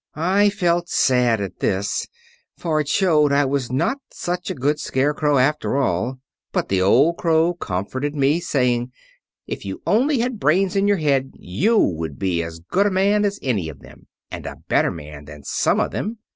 "I felt sad at this, for it showed I was not such a good Scarecrow after all; but the old crow comforted me, saying, 'If you only had brains in your head you would be as good a man as any of them, and a better man than some of them.